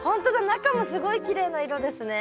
中もすごいきれいな色ですね。